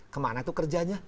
kemana tuh kerjanya